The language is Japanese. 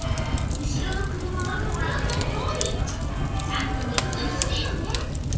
後ろの車はご覧のとおりちゃんと荷造りしてよね